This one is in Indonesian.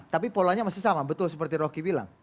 tapi polanya masih sama betul seperti rocky bilang